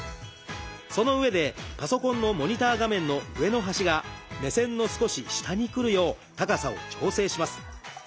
そのうえでパソコンのモニター画面の上の端が目線の少し下に来るよう高さを調整します。